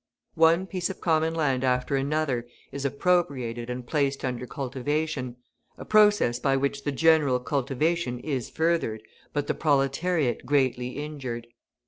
One piece of common land after another is appropriated and placed under cultivation, a process by which the general cultivation is furthered, but the proletariat greatly injured.